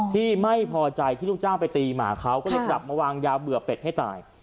ที่ไม่พอใจที่ลูกจ้างไปตีหมาเขาก็เลยกลับมาวางยาเบื่อเป็ดให้ตาย